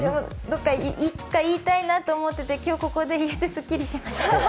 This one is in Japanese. いつか言いたいと思っていて今日ここで言えてすっきりしました。